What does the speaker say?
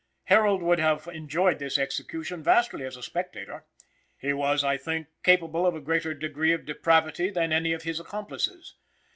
Harold would have enjoyed this execution vastly as a spectator. He was, I think, capable of a greater degree of depravity than any of his accomplices.